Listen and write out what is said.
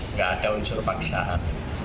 nggak ada unsur paksaan